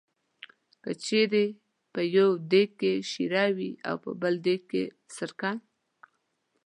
که چېرې په یو دېګ کې شېره وي او بل دېګ کې سرکه.